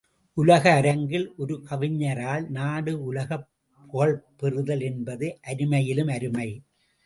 உலக அரங்கில் ஒரு கவிஞரால் நாடு உலகப் புகழ் பெறுதல் என்பது அருமையிலும் அருமை.